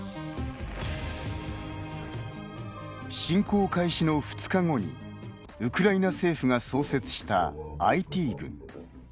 侵攻開始の２日後にウクライナ政府が創設したＩＴ軍。